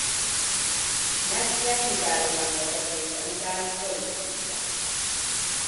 Messe nyugállományba kerülése után politikus lett.